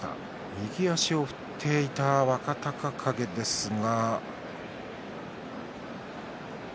右足を振っていた若隆景ですが。